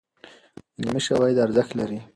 علمي شواهد ارزښت لري.